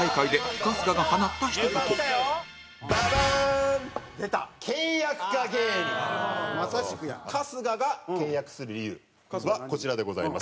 春日：春日が倹約する理由はこちらでございます。